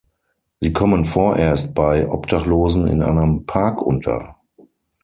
Sie kommen vorerst bei Obdachlosen in einem Park unter.